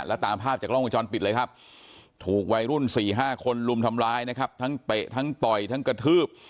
แล้วตามภาพจากล้องวงจรปิดเลยครับถูกวัยรุ่น๔๕คนลุมทำร้ายนะครับทั้งเตะทั้งต่อยทั้งกระทืบ